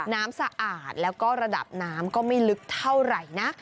สะอาดแล้วก็ระดับน้ำก็ไม่ลึกเท่าไหร่นะ